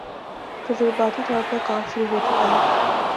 تجرباتی طور پر کام شروع ہو چکا ہے